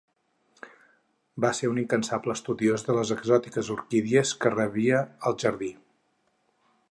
Va ser un incansable estudiós de les exòtiques orquídies que rebia el Jardí.